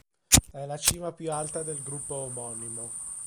È la cima più alta del gruppo omonimo.